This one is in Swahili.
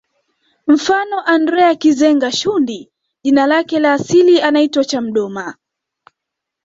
Mfano Andrea Kizenga Shundi jina lake la asili anaitwa Chamdoma